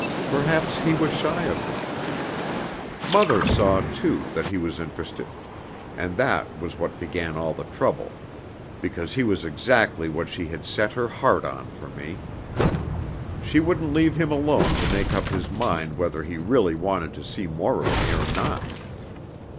Perhaps he was shy of them. Mother saw, too, that he was interested; and that was what began all the trouble, because he was exactly what she had set her heart on for me. She wouldn't leave him alone to make up his mind whether he really wanted to see more of me or not.